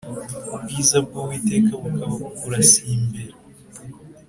ubwiza bw’Uwiteka bukaba bukurasiye imbere